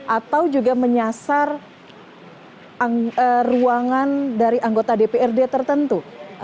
atau juga menyasar ruangan dari anggota dprd tertentu